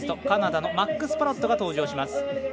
カナダのマックス・パロットが登場します。